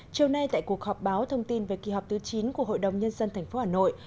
chiều nay tại cuộc họp báo thông tin về kỳ họp thứ chín của hội đồng nhân dân tp hà nội